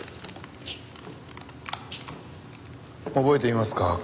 覚えていますか？